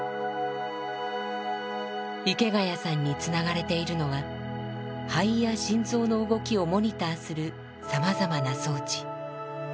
池谷さんにつながれているのは肺や心臓の動きをモニターするさまざまな装置。